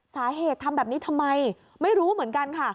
สาเหตุทำแบบนี้ทำไมไม่รู้เหมือนกันค่ะ